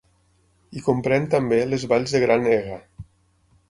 I comprèn també les valls de Gran Ega.